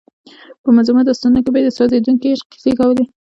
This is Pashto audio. په منظومو داستانونو کې به یې د سوځېدونکي عشق کیسې کولې.